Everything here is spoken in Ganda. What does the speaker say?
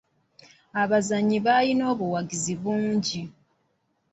Abazannyi balina obuwagizi bungi.